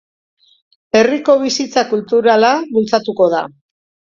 Herriko bizitza kulturala bultzatuko da.